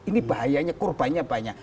ini bahayanya kurbannya banyak